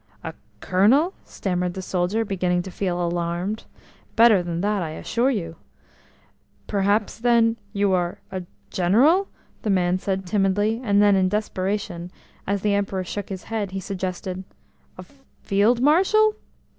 "A Colonel?" stammered the soldier, beginning to feel alarmed. "Better than that, I assure you." "Perhaps, then, you are a General?" the man said timidly, and then, in desperation, as the Emperor shook his head, he suggested, "A Field Marshal?"